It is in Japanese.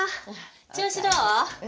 調子どう？